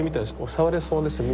触れそうです耳。